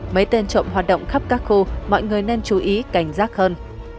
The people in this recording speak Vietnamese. mấy tên trộm hoạt động khắp các khô mọi người nên chú ý cảnh giác hơn